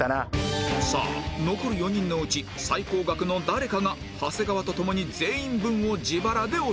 さあ残る４人のうち最高額の誰かが長谷川と共に全員分を自腹でお支払い